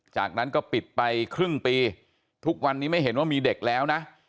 จากนั้นก็ปิดไปครึ่งปีทุกวันนี้ไม่เห็นว่ามีเด็กแล้วนะ